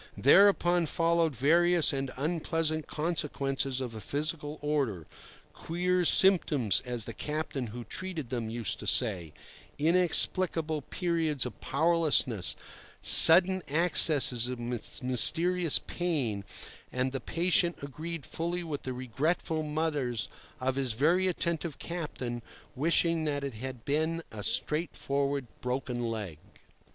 Thereupon followed various and unpleasant consequences of a physical order—"queer symptoms," as the captain, who treated them, used to say; inexplicable periods of powerlessness, sudden accesses of mysterious pain; and the patient agreed fully with the regretful mutters of his very attentive captain wishing that it had been a straightforward broken leg.